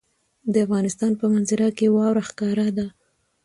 د افغانستان په منظره کې واوره ښکاره ده.